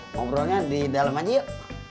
ngobrolnya di dalam aja yuk